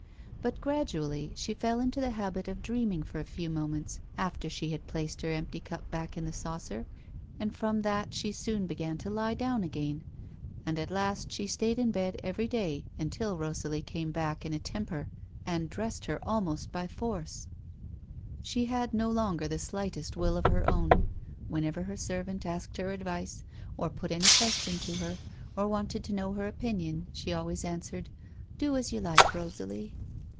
But gradually she fell into the habit of dreaming for a few moments after she had placed the empty cup back in the saucer, and from that she soon began to lie down again, and at last she stayed in bed every day until Rosalie came back in a temper and dressed lier almost by force. 242 A VVOMAX « LIFE. She had uo longer the slightest will uf her own. When 3Yer her servant asked her advice, or put anv question to her, or wanted to know her opinion, she always answered :" Do as you like, Rosalie."